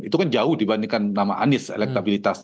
itu kan jauh dibandingkan nama anies elektabilitas